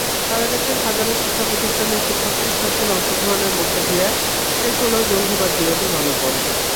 সারা দেশের হাজারো শিক্ষাপ্রতিষ্ঠানে শিক্ষক–শিক্ষার্থীর অংশগ্রহণের মধ্য দিয়ে শেষ হলো জঙ্গিবাদবিরোধী মানববন্ধন।